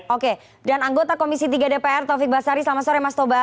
oke dan anggota komisi tiga dpr taufik basari selamat sore mas toba